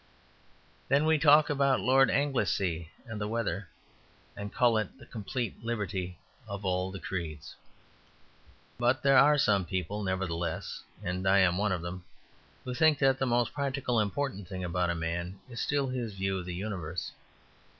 Then we talk about Lord Anglesey and the weather, and call it the complete liberty of all the creeds. But there are some people, nevertheless and I am one of them who think that the most practical and important thing about a man is still his view of the universe.